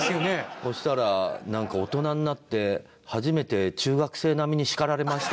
そしたらなんか「大人になって初めて中学生並みに叱られました」